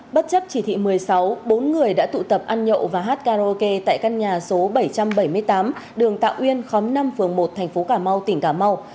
bất chấp chỉ thị một mươi sáu bốn người đã tụ tập ăn nhậu và hát karaoke tại căn nhà số bảy trăm bảy mươi tám đường tạ uyên khóm năm phường một thành phố cà mau tỉnh cà mau